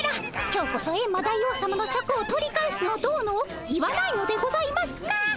今日こそエンマ大王さまのシャクを取り返すのどうのを言わないのでございますか？